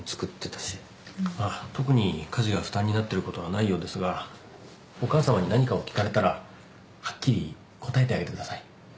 あっ特に家事が負担になってることはないようですがお母さまに何かを聞かれたらはっきり答えてあげてください。